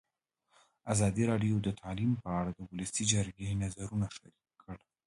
ازادي راډیو د تعلیم په اړه د ولسي جرګې نظرونه شریک کړي.